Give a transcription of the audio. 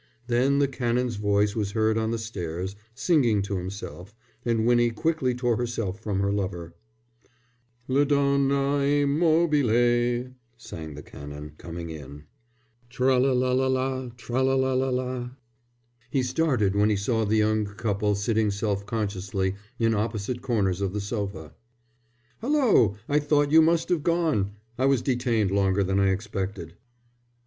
Then the Canon's voice was heard on the stairs, singing to himself; and Winnie quickly tore herself from her lover. "La donna è mobile," sang the Canon, coming in; "Tra la la la la Tra la la la la." He started when he saw the young couple sitting self consciously in opposite corners of the sofa. "Hulloa, I thought you must have gone! I was detained longer than I expected."